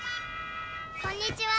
「こんにちは」